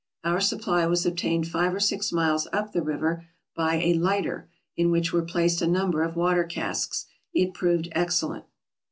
Our supply was obtained five or six miles up the river by a lighter, in which were placed a number of water casks. It proved excellent.